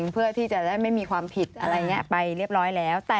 เมื่อไหร่ค่ะเมื่อไหร่ค่ะเมื่อไหร่ค่ะเมื่อไหร่ค่ะ